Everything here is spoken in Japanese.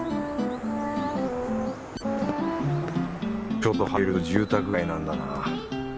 ちょっと入ると住宅街なんだな。